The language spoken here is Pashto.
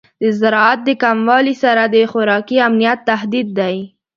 د زراعت د کموالی سره د خوراکي امنیت تهدید دی.